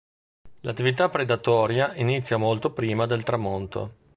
L'attività predatoria inizia molto prima del tramonto.